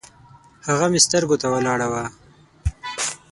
هغه مې سترګو ته ولاړه وه